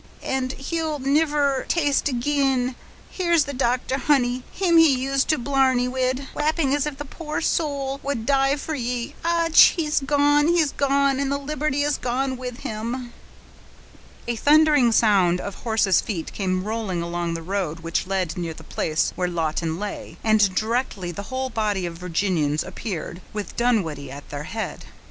and he'll niver taste ag'in; here's the doctor, honey, him ye used to blarney wid, waping as if the poor sowl would die for ye. Och! he's gone, he's gone; and the liberty is gone with him." A thundering sound of horses' feet came rolling along the road which led near the place where Lawton lay, and directly the whole body of Virginians appeared, with Dunwoodie at their head.